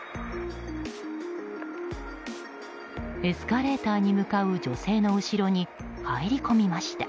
エスカレーターに向かう女性の後ろに入り込みました。